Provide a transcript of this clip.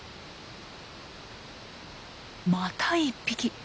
また１匹。